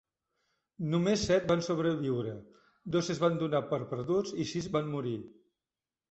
Només set van sobreviure: dos es van dona per perduts, i sis van morir.